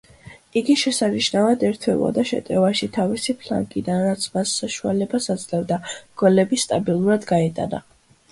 იგი შესანიშნავად ერთვებოდა შეტევაში თავისი ფლანგიდან, რაც მას საშუალებას აძლევდა გოლები სტაბილურად გაეტანა.